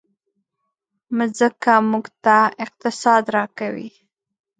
مځکه موږ ته اقتصاد راکوي.